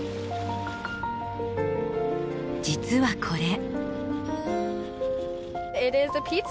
実はこれ。